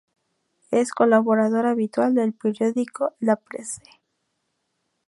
Es colaboradora habitual del periódico La Presse.